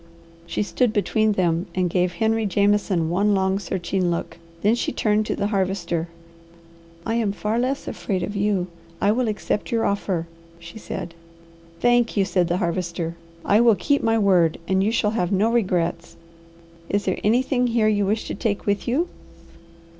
She stood between them and gave Henry Jameson one long, searching look. Then she turned to the Harvester. "I am far less afraid of you. I will accept your offer," she said. "Thank you!" said the Harvester. "I will keep my word and you shall have no regrets. Is there anything here you wish to take with you?"